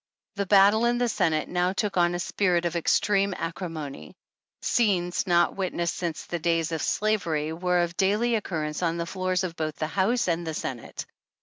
The battle in the Senate now took on a spirit of extreme acrimony ; scenes not witnessed since the days of Slavery, were of daily occurrence on the floors of both the House and the Senate.